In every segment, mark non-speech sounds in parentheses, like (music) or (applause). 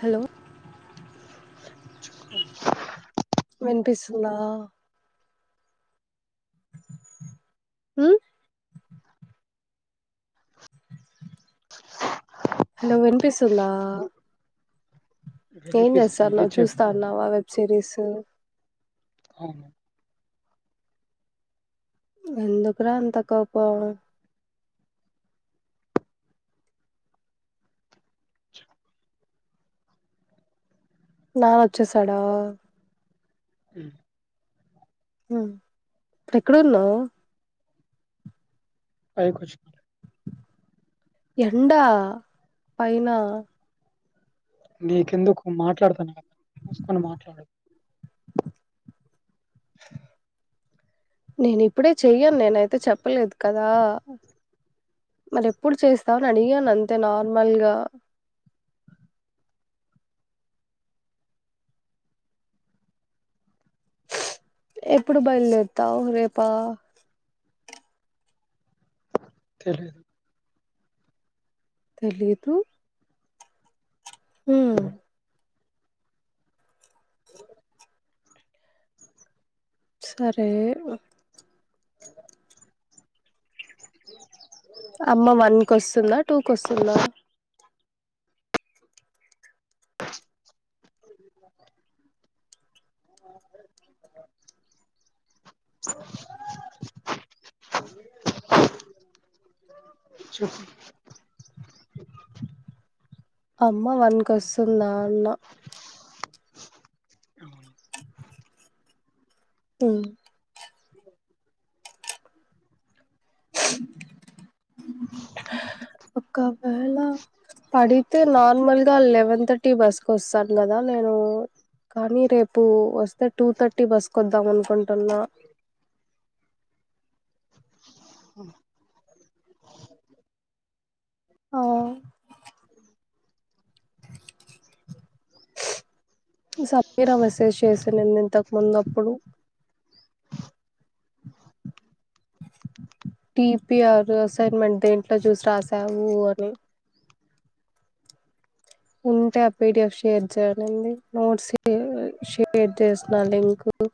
hello వినిపిస్తుందా హూ hello వినిపిస్తుందా ఏం చేస్తారు వినిపిస్తుంది నువ్ చూస్తా చెప్పు ఉన్నావా ఆ వెబ్ సిరీస్ అవును ఎందుకు రా అంత కోపము నాన్న వచ్చేసడా హ్మ్ హ్మ్ ఎక్కడన్నావ్ పైకొచ్చినా ఎండా పైన నీకెందుకు మాట్లాడతాను కదా ముసుకొని మాట్లాడదు నేను ఇప్పుడే చెయ్యను నేనయితే చెప్పలేదు కదా మరి ఎప్పుడు చేస్తావుని అడిగాను అంతే నార్మల్గా ఎప్పుడు బయలుతావ్ రేపా అంతేలే తెలీదు ఉమ్, సరే అమ్మ వన్ కి వస్తుందా టూ కి వస్తుందా చేప్ అమ్మా వన్ కోసందాన్నా అవును హ్మ్ ఒకవేళ పడితే నార్మల్గా లెవెన్త్ టీ బస్కు వస్తాను కదా నేను కానీ రేపు వస్తే టూ థర్టీ బస్ కొద్దాం అనుకుంటున్నా అవు సబీరా మెసేజ్ చేసినంది ఇంతకు ముందు అప్పుడు పిపిఆర్ అసైన్మెంట్ దేంట్లో చూసి రాసావు అని ఉంటే ఆ పీడిఎఫ్ షేర్ చేయడి నోట్స్ షేర్ చేసిన లింక్ ఓ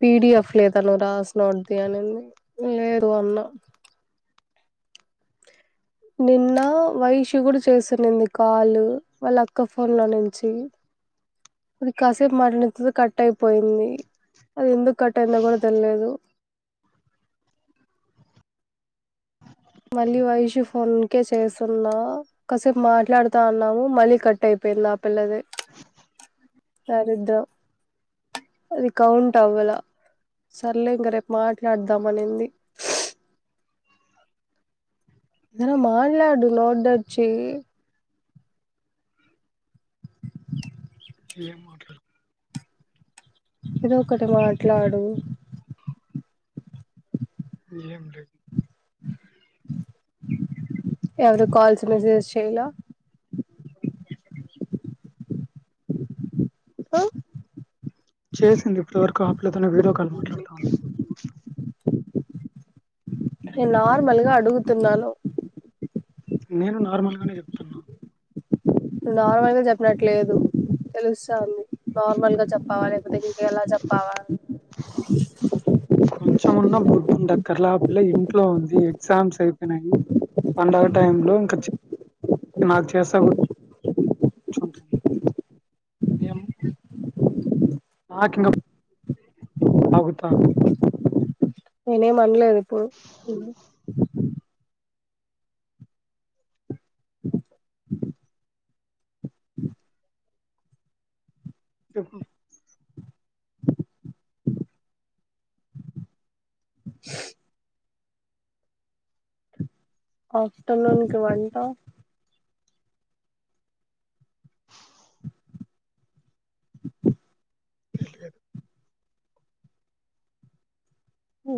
పీడి ఎఫ్ లేదా నువ్వు రాసినోది అనిది లేదు అన్న నిన్న వైషుగుడు చేసునింది కాల్ వాళ్ళ అక్క ఫోన్ లో నుంచి అది కాసేపు మారినతు కట్ అయిపోయింది అది ఎందుకు కట్ అయిందో కూడా తెలియాదు మళ్ళీ వైషు ఫోన్కే చేస్తున్నా కాసేపు మాట్లాడుతా అన్నాము మళ్ళీ కట్ అయిపోంది (unintelligible) అది కౌంట్ అవ్వాల సర్లే ఇంక రేపు మాట్లాడదమనింది ఏనా మాట్లాడు (unintelligible) (inaudible) ఏదో ఒకటి మాట్లడు ఎం లే ఎవరు కల్స్ మెసేజ్ చేయల (unintelligible) చేసింది ఇప్పటి వరకు ఆ పిల్ల తోనే వీడియో కాల్ మాట్లాడుతా ఉన్నా నేను నార్మల్గా అడుగుతున్నాను నేను నార్మల్ గానే చెప్తున్నా నార్మల్గా చెప్పినట్లేదు తెలుస్తా ఉంది నార్మల్ గా చెప్పవా లేకపోతే ఇంక ఎలా చెప్పవా కొంచమన్న బుద్ధు డక్కర్లా పిల్ల ఇంట్లో ఉంది ఎగ్జామ్స్ అయిపోయినాయి పండుగ టైం లో ఇంకా నాకు చేస్ అం (unintelligible) ఆగుత నేను ఎం అనలేదు ఇప్పుడు (inaudible) చెప్పు (inaudible) ఆఫ్టర్నూన్ కి వంటా ంటి ఉ